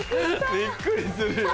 びっくりするよな。